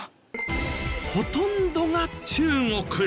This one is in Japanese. ほとんどが中国。